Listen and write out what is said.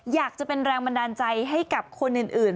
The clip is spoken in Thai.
อยากจะเป็นแรงบันดาลใจให้กับคนอื่น